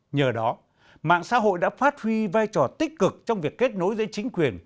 nhờ đó mạng xã hội đã phát huy vai trò tích cực trong việc kết nối giữa chính quyền